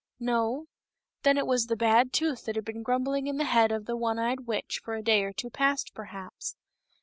No ? Then it was the bad tooth that had been grumbling in the head of the one eyed witch for a day or two past, perhaps.